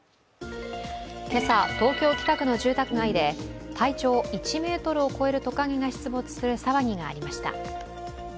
今朝、東京・北区の住宅街で体長１ｍを超えるトカゲが出没する騒ぎがありました。